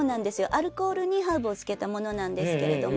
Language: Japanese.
アルコールにハーブをつけたものなんですけれども。